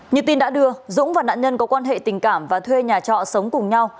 như tin đã đưa dũng và nạn nhân có quan hệ tình cảm và thuê nhà trọ sống cùng nhau